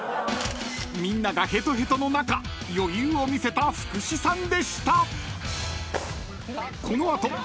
［みんながヘトヘトの中余裕を見せた福士さんでした］